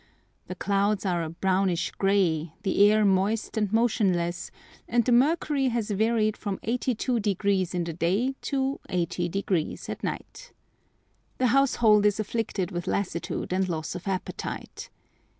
The clouds are a brownish grey, the air moist and motionless, and the mercury has varied from 82° in the day to 80° at night. The household is afflicted with lassitude and loss of appetite.